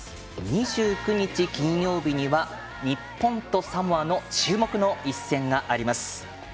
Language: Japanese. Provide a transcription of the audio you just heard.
２９日金曜日には日本とサモアの注目の一戦があります。